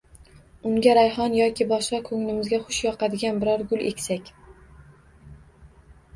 Unga rayhon yoki boshqa koʻnglimizga xush yoqadigan biror gul eksak